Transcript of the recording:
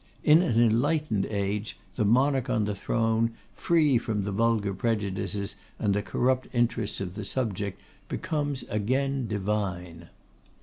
In an enlightened age the Monarch on the throne, free from the vulgar prejudices and the corrupt interests of the subject, becomes again divine!